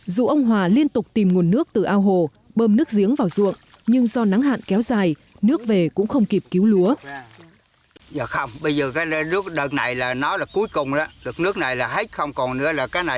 dù ông hòa liên tục tìm nguồn nước từ ao hồ bơm nước giếng vào ruộng nhưng do nắng hạn kéo dài nước về cũng không kịp cứu lúa